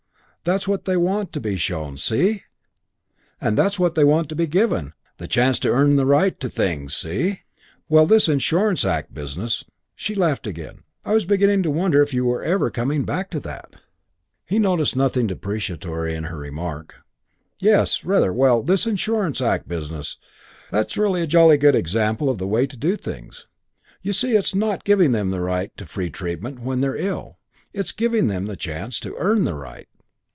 That's what they want to be shown, see? And that's what they want to be given the chance to earn the right to things, see? Well, this Insurance Act business " She laughed again. "I was beginning to wonder if you were ever coming back to that." He noticed nothing deprecatory in her remark. "Yes, rather. Well, this Insurance Act business that's really a jolly good example of the way to do things. You see, it's not giving them the right to free treatment when they're ill; it's giving them the chance to earn the right.